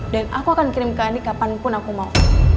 dan aku akan kirim ke andi kapanpun aku mau